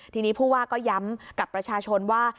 ทีนี้ผู้ว่าก็ย้ำกับประชาชนว่า